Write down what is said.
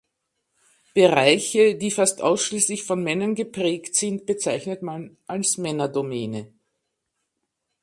Bereiche, die fast ausschließlich von Männern geprägt sind, bezeichnet man als Männerdomäne.